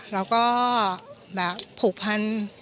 แล้วก็ผูกพัน